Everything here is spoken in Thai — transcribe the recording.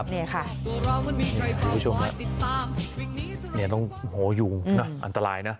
นี่คุณผู้ชมครับต้องโหยูนะอันตรายนะ